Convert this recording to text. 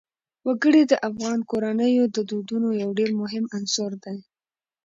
وګړي د افغان کورنیو د دودونو یو ډېر مهم عنصر دی.